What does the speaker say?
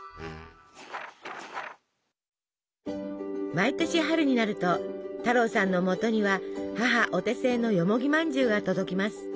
毎年春になると太郎さんのもとには母お手製のよもぎまんじゅうが届きます。